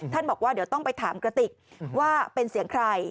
บอกว่าเดี๋ยวต้องไปถามกระติกว่าเป็นเสียงใคร